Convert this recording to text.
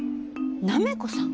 なめこさん？